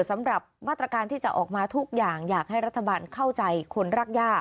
สำหรับมาตรการที่จะออกมาทุกอย่างอยากให้รัฐบาลเข้าใจคนรักย่า